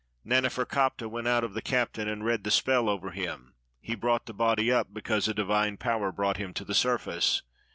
Naneferkaptah went out of the cabin, and read the spell over him ; he brought the body up because a divine power brought him to the surface.